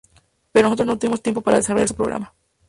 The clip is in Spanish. Pero no tuvo mucho tiempo para desarrollar su programa.